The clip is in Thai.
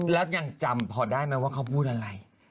แล้วยังจำพอได้ไหมว่าเขาพูดอะไร